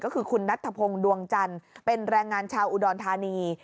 ก็คือคุณนัทธพงศ์ดวงจันทร์เป็นแรงงานชาวอุดรธานี